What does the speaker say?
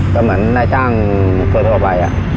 ก็เหมือนนายจ้างคนทั่วไป